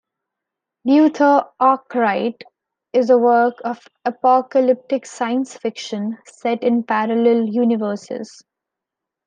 "Luther Arkwright" is a work of apocalyptic science fiction set in parallel universes.